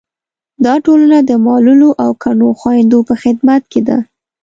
دا ټولنه د معلولو او کڼو خویندو په خدمت کې ده.